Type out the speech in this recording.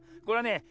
これはね